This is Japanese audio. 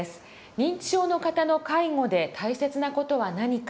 認知症の方の介護で大切な事は何か。